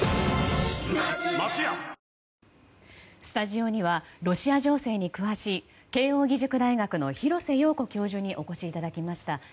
スタジオにはロシア情勢に詳しい慶應義塾大学の廣瀬陽子教授にお越しいただきました。